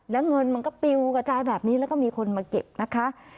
แล้วเงินมันก็ปิวกระจายแบบนี้แล้วก็มีคนมาเก็บนะคะ